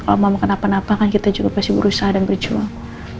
kalau mau kenapa napa kan kita juga pasti berusaha dan berjuang